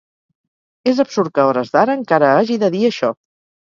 És absurd que a hores d’ara encara hagi de dir això.